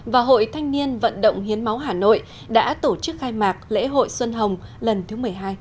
và hội thanh niên vận động hiến máu hà nội đã tổ chức khai mạc lễ hội xuân hồng lần thứ một mươi hai